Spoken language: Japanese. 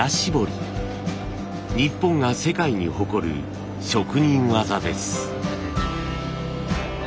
日本が世界に誇る職人技です。